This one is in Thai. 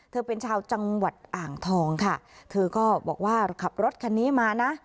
เธอเป็นชาวจังหวัดอ่างทองค่ะเธอก็บอกว่าขับรถคันนี้มานะ